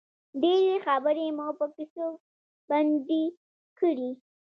ډېرې خبرې مو په کیسو پنډې کړې.